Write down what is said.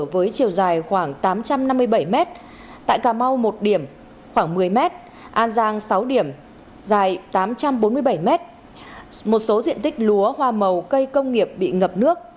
với chiều dài khoảng tám trăm năm mươi bảy m tại cà mau một điểm khoảng một mươi m an giang sáu điểm dài tám trăm bốn mươi bảy m một số diện tích lúa hoa màu cây công nghiệp bị ngập nước